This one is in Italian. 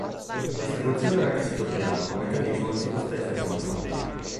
La distribuzione era a cassetto piano con meccanismo del tipo Stephenson.